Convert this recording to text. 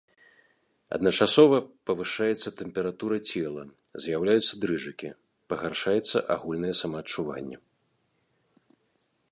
Адначасова павышаецца тэмпература цела, з'яўляюцца дрыжыкі, пагаршаецца агульнае самаадчуванне.